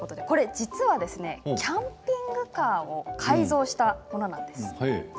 実は、キャンピングカーを改造したものなんです。